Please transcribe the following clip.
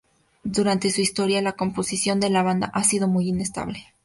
Durante su historia, la composición de la banda ha sido muy inestable.